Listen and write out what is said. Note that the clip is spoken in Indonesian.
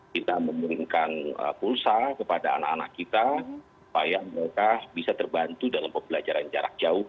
kita memberikan pulsa kepada anak anak kita supaya mereka bisa terbantu dalam pembelajaran jarak jauh